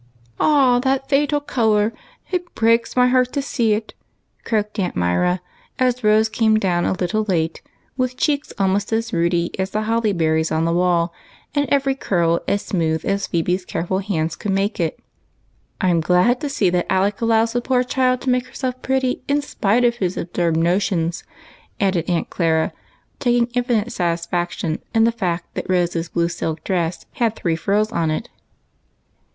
" Ah, that fatal color ! it breaks my heart to see it," croaked Aunt Myra, as Rose came down a little late, with cheeks almost as ruddy as the holly berries on the wall, and every curl as smooth as Phebe's care ful hands could make it. " I 'm glad to see that Alec allows the poor child to make herself pretty in spite of his absurd notions," added Aunt Clara, taking infinite satisfaction in the fact that Rose's blue silk dress had three frills on it.